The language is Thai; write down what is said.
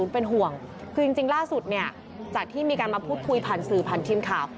เป็นห่วงคือจริงล่าสุดเนี่ยจากที่มีการมาพูดคุยผ่านสื่อผ่านทีมข่าว